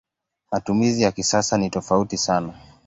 Matumizi ya kisasa ni tofauti sana.